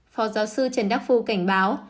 phó giáo dư trần đắc phu cảnh báo